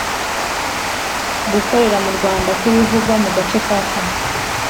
gukorera mu Rwanda kw ibivugwa mu gace ka kane